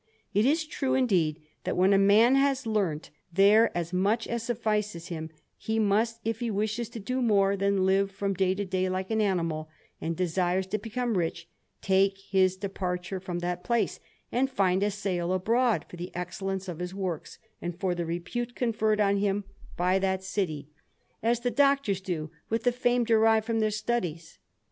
It is true, indeed, that when a man has learnt there as much as suffices him, he must, if he wishes to do more than live from day to day like an animal, and desires to become rich, take his departure from that place and find a sale abroad for the excellence of his works and for the repute conferred on him by that city, as the doctors do with the fame derived from their studies.